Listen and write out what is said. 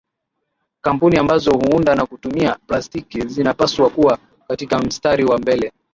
Kampuni ambazo huunda na kutumia plastiki zinapaswa kuwa katika mstari wa mbele